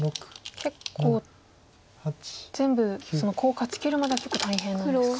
結構全部コウを勝ちきるまでは結構大変なんですか。